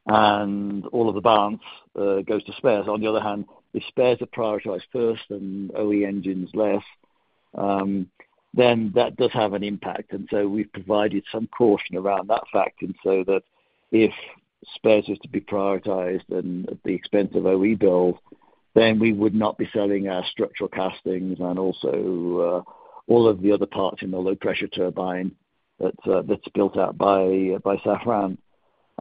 C: And all of the balance goes to spares. On the other hand, if spares are prioritized first and OE engines less, then that does have an impact. And so we've provided some caution around that fact. And so that if spares are to be prioritized and at the expense of OE build, then we would not be selling our structural castings and also all of the other parts in the low pressure turbine that's built out by Safran.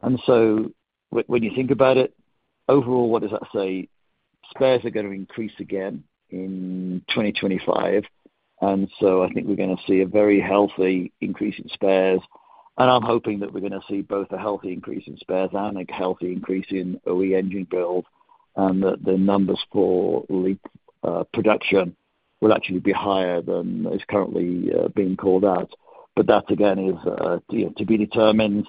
C: And so when you think about it, overall, what does that say? Spares are going to increase again in 2025. And so I think we're going to see a very healthy increase in spares. I'm hoping that we're going to see both a healthy increase in spares and a healthy increase in OE engine build and that the numbers for LEAP production will actually be higher than is currently being called out. That, again, is to be determined.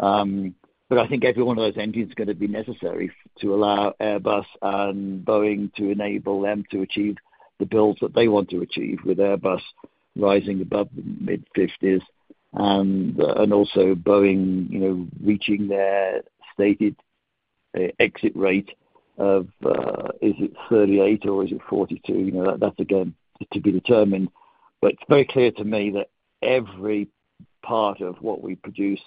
C: I think every one of those engines is going to be necessary to allow Airbus and Boeing to enable them to achieve the builds that they want to achieve with Airbus rising above the mid-50s and also Boeing reaching their stated exit rate of, is it 38 or is it 42? That's, again, to be determined. It's very clear to me that every part of what we produce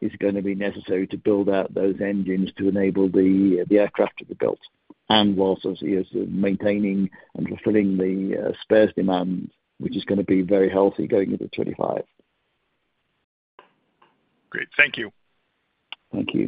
C: is going to be necessary to build out those engines to enable the aircraft to be built. While obviously maintaining and fulfilling the spares demand, which is going to be very healthy going into 2025.
M: Great. Thank you.
C: Thank you.